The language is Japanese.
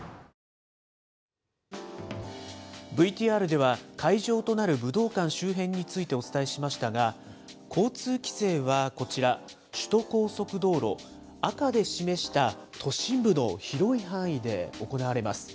ＶＴＲでは、会場となる武道館周辺についてお伝えしましたが、交通規制はこちら、首都高速道路、赤で示した都心部の広い範囲で行われます。